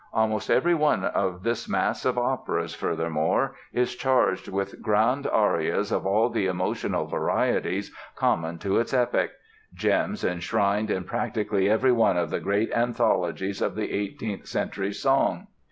Almost every one of this mass of operas, furthermore, is charged with grand arias of all the emotional varieties common to its epoch—gems enshrined in practically every one of the great anthologies of the 18th Century song.